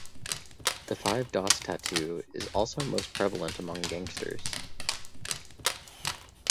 The five dots tattoo is also most prevalent amongst gangsters.